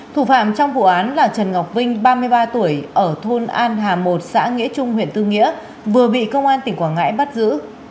thủ phạm trong vụ án là trần ngọc vinh ba mươi ba tuổi ở thôn an hà một xã nghĩa trung huyện tư nghĩa vừa bị công an tỉnh quảng ngãi bắt giữ